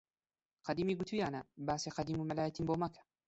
قەدیمی گوتوویانە باسی قەدیم و مەلایەتیم بۆ مەکە!